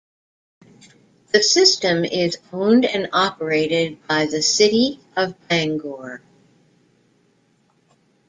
The system is owned and operated by the City of Bangor.